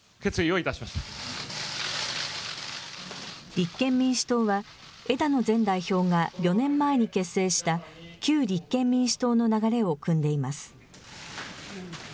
立憲民主党は、枝野前代表が４年前に結成した旧立憲民主党の流れをくんでいます。